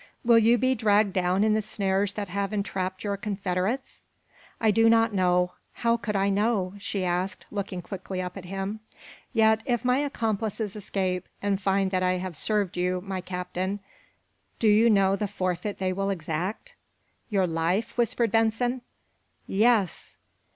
"Will you be dragged down in the snares that have entrapped your confederates!" "I do not know. How could I know?" she asked, looking quickly up at him. "Yet, if my accomplices escape, and find that I have served you, my Captain, do you know the forfeit they will exact?" "Your life?" whispered Benson. "Yes!"